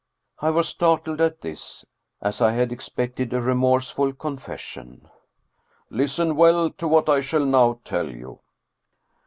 (I was startled at this, as I had ex pected a remorseful confession.) " Listen well to what I shall now tell you.